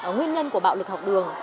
nguyên nhân của bạo lực học đường